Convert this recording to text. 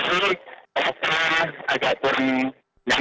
akhirnya dari pihak keluarga dan pak tim delio